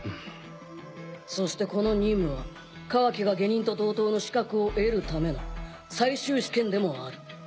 そしてこの任務はカワキが下忍と同等の資格を得るための最終試験でもある。